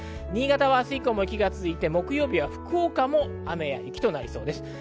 新潟は明日以降も雪が続いて、木曜日は福岡も雨や雪となりそうです。